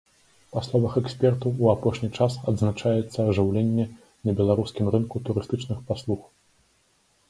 Па словах экспертаў, у апошні час адзначаецца ажыўленне на беларускім рынку турыстычных паслуг.